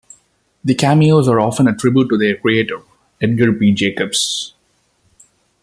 The cameos are often a tribute to their creator, Edgar P. Jacobs.